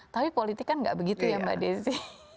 tapi politik kan gak begitu ya mbak desy